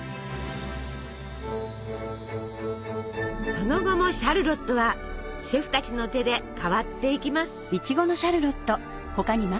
その後もシャルロットはシェフたちの手で変わっていきます。